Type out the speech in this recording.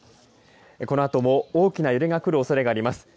このあとも大きな揺れがくるおそれがあります。